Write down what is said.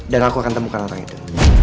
aku akan temukan orang itu